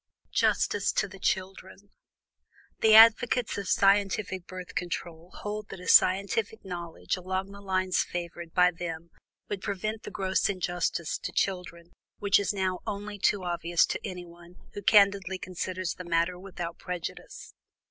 JUSTICE TO THE CHILDREN. The advocates of scientific Birth Control hold that a scientific knowledge along the lines favored by them would prevent the gross injustice to children which is now only too obvious to anyone who candidly considers the matter without prejudice.